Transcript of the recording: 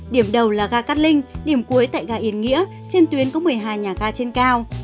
điểm đầu là ga cát linh điểm cuối tại ga yên nghĩa trên tuyến có một mươi hai nhà ga trên cao